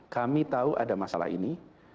kami tahu ada masalah ini